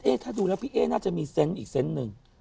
ถ้าดูแล้วพี่เอ๊น่าจะมีเซนต์อีกเซนต์หนึ่ง